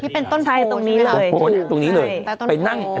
ที่เป็นต้นโผล่ใช่ไหมต้นโผล่ตรงนี้เลยต้นโผล่